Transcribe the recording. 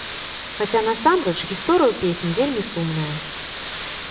Хаця, насамрэч, гісторыя ў песні вельмі сумная.